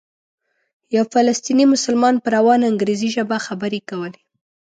یو فلسطینی مسلمان په روانه انګریزي ژبه خبرې کولې.